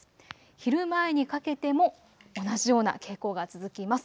昼前にかけても同じような傾向が続きます。